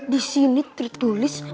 di sini tertulis